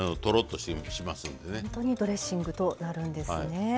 ほんとにドレッシングとなるんですね。